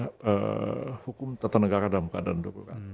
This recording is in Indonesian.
hukum tata negara dalam keadaan darurat